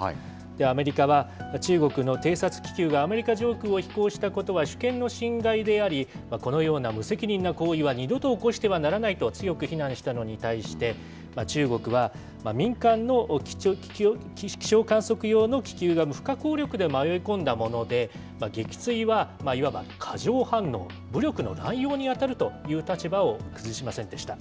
アメリカは、中国の偵察気球がアメリカ上空を飛行したことは、主権の侵害であり、このような無責任な行為は二度と起こしてはならないと強く非難したのに対して、中国は民間の気象観測用の気球が不可抗力で迷い込んだもので、撃墜はいわば過剰反応、武力の乱用に当たるという立場を崩しませんでした。